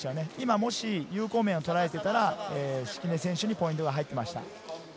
もし有効面をとらえていたら、敷根選手にポイントが入っていました。